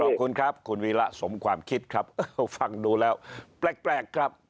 ขอบคุณครับคุณวีระสมความคิดครับฟังดูแล้วแปลกครับ